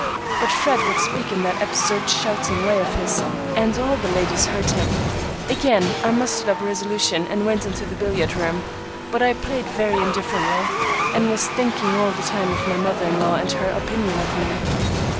But Fred would speak in that absurd shouting way of his, and all the ladies heard him. Again I mustered up resolution and went into the billiard room, but I played very indifferently, and was thinking all the time of my mother in law and her opinion of me.